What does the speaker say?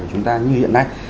của chúng ta như hiện nay